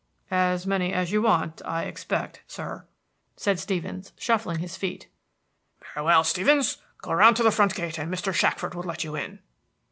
"As many as you want, I expect, sir," said Stevens, shuffling his feet. "Very well, Stevens. Go round to the front gate and Mr. Shackford will let you in."